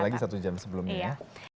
tentu bisa lagi satu jam sebelumnya ya